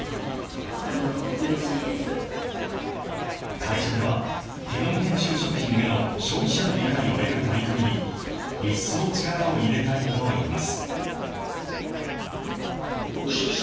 会社では、ゲノム編集食品への消費者の理解を得る取り組みに、一層力を入れたいといいます。